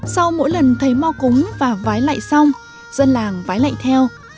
sau mỗi lần thầy mo cúng và vái lại xong dân làng vái lại theo